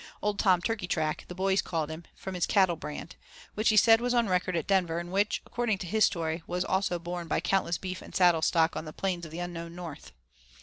Old Tom Turkeytrack, the boys called him, from his cattle brand, which he said was on record at Denver, and which, according to his story, was also borne by countless beef and saddle stock on the plains of the unknown North.